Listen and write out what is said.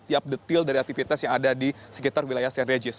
tiap detail dari aktivitas yang ada di sekitar wilayah senja jisili